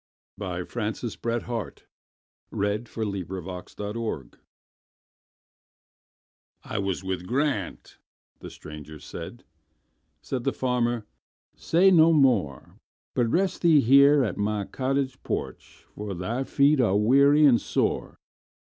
By Francis BretHarte 748 The Aged Stranger "I WAS with Grant"—the stranger said; Said the farmer, "Say no more, But rest thee here at my cottage porch, For thy feet are weary and sore."